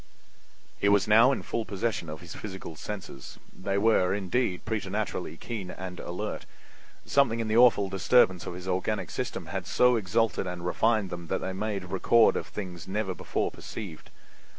He was now in full possession of his physical senses. They were, indeed, preternaturally keen and alert. Something in the awful disturbance of his organic system had so exalted and refined them that they made record of things never before perceived.